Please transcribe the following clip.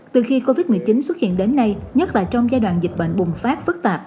từ khi covid một mươi chín xuất hiện đến nay nhất là trong giai đoạn dịch bệnh bùng phát phức tạp